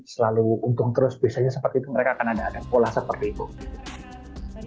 selalu untung terus biasanya seperti itu mereka akan ada pola seperti itu